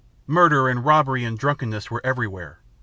Murder and robbery and drunkenness were everywhere.